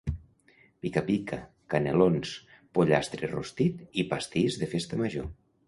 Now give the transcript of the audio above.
pica-pica, canelons, pollastre rostit, i pastís de Festa Major